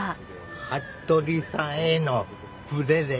服部さんへのプレゼント。